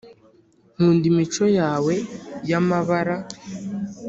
nkunda imico yawe y'amabara